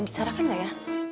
bicarakan gak ya